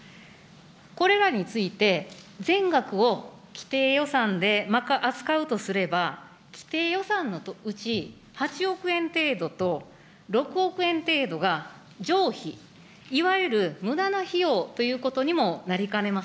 これらについて、全額を既定予算で扱うとすれば、既定予算のうち、８億円程度と、６億円程度が冗費、いわゆるむだな費用ということにもなりかねま